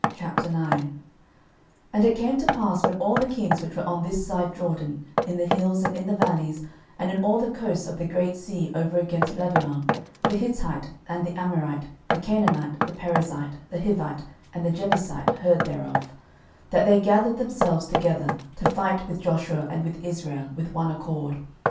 06:009:001 And it came to pass, when all the kings which were on this side Jordan, in the hills, and in the valleys, and in all the coasts of the great sea over against Lebanon, the Hittite, and the Amorite, the Canaanite, the Perizzite, the Hivite, and the Jebusite, heard thereof; 06:009:002 That they gathered themselves together, to fight with Joshua and with Israel, with one accord.